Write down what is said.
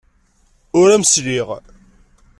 Ur am-sliɣ.